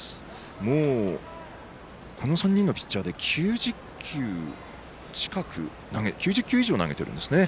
もうこの３人のピッチャーで９０球以上投げてるんですね。